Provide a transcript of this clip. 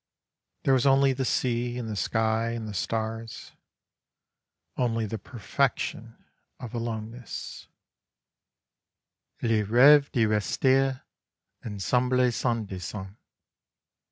There was only the sea and the sky and the stars, only the perfection of aloneness, "Le rêve de rester ensemble sans dessein."